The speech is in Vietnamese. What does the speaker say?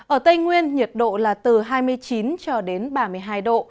ở tây nguyên nhiệt độ là từ hai mươi chín cho đến ba mươi hai độ